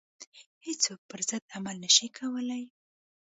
هیڅوک پر ضد عمل نه شي کولای.